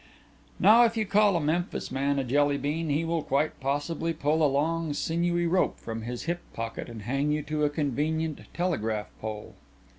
Now if you call a Memphis man a Jelly bean he will quite possibly pull a long sinewy rope from his hip pocket and hang you to a convenient telegraph pole.